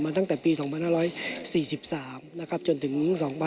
มาตั้งแต่ปี๒๕๔๓จนถึง๒๕๕๐